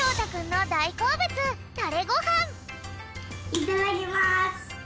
いただきます！